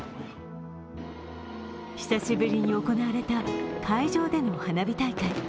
久しぶりに行われた海上での花火大会。